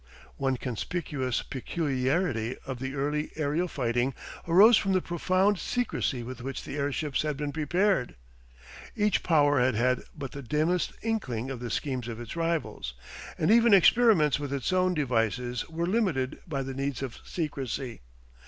One conspicuous peculiarity of the early aerial fighting arose from the profound secrecy with which the airships had been prepared. Each power had had but the dimmest inkling of the schemes of its rivals, and even experiments with its own devices were limited by the needs of secrecy.